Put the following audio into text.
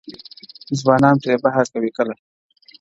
• ځوانان پرې بحث کوي کله..